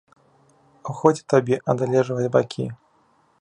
Годзе табе адлежваць бакі!